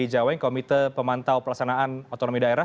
bang robert n d jaweng komite pemantau pelasanaan otonomi daerah